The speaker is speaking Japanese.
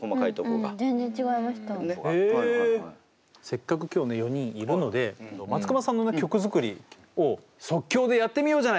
せっかく今日ね４人いるので松隈さんの曲作りを即興でやってみようじゃないかという。